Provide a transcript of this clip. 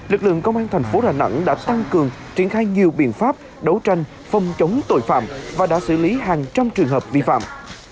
lực lượng công an thành phố đà nẵng đã tăng cường triển khai nhiều biện pháp đấu tranh phòng chống tội phạm và đã xử lý hàng trăm trường hợp vi phạm